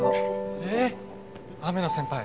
えっ雨野先輩